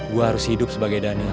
gue harus hidup sebagai daniel